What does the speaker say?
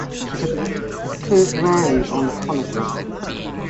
It occurs rarely on conifers.